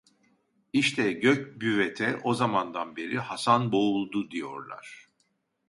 İşte Gök Büvet'e o zamandan beri Hasanboğuldu diyorlar…